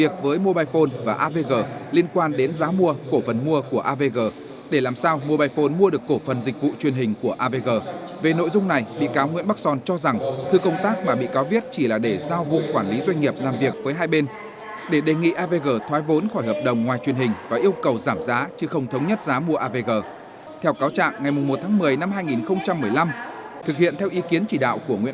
cụ thể trong thương vụ mobile phone mua avg ngày một một mươi hai nghìn một mươi năm bị cáo nguyễn bắc son đã trực tiếp viết thư công tác gửi vụ quản lý doanh nghiệp mục đích muốn chỉ đạo vụ quản lý doanh nghiệp bộ thông tin và truyền thông